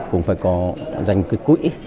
cũng phải có dành cái quỹ